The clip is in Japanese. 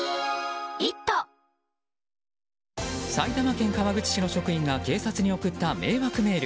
埼玉県川口市の職員が警察に送った迷惑メール。